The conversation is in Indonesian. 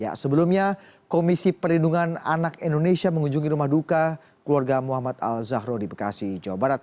ya sebelumnya komisi perlindungan anak indonesia mengunjungi rumah duka keluarga muhammad al zahro di bekasi jawa barat